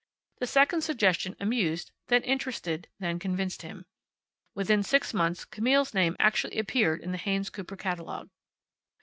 The second suggestion amused, then interested, then convinced him. Within six months Camille's name actually appeared in the Haynes Cooper catalogue.